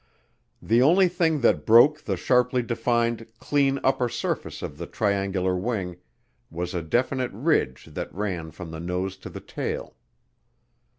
The only thing that broke the sharply defined, clean upper surface of the triangular wing was a definite ridge that ran from the nose to the tail.